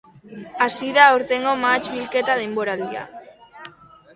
Hasi da aurtengo mahats bilketa denboraldia.